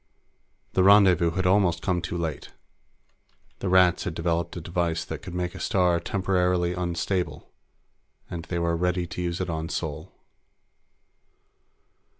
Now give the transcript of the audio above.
The rendezvous had almost come too late. The Rats had developed a device that could make a star temporarily unstable, and they were ready to use it on Sol.